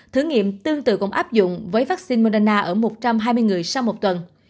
thử nghiệm tương tự cũng áp dụng với vaccine moderna ở một trăm hai mươi người sau một tuần